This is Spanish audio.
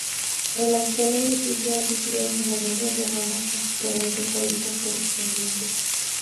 El actual edificio ha sufrido numerosas reformas, con sus obras de fábrica correspondientes.